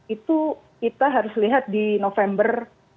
itu kita harus lihat di november seribu sembilan ratus tujuh belas